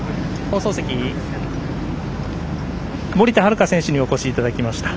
放送席、森田遥選手にお越しいただきました。